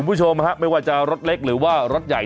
คุณผู้ชมฮะไม่ว่าจะรถเล็กหรือว่ารถใหญ่